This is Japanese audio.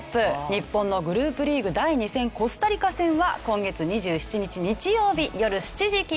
日本のグループリーグ第２戦コスタリカ戦は今月２７日日曜日よる７時キックオフです。